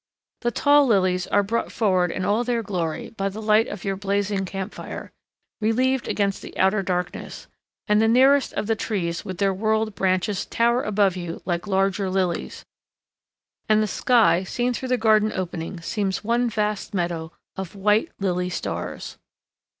The tall lilies are brought forward in all their glory by the light of your blazing camp fire, relieved against the outer darkness, and the nearest of the trees with their whorled branches tower above you like larger lilies, and the sky seen through the garden opening seems one vast meadow of white lily stars.